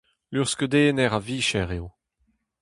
Luc'hskeudenner a vicher eo.